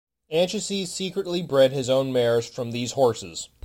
Anchises secretly bred his own mares from these horses.